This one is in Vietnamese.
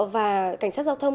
và cảnh sát giao thông